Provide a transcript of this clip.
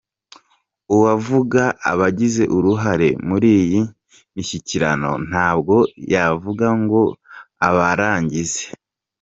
Uwavuga abagize uruhare muri iyi mishyikirano ntabwo yabavuga ngo abarangize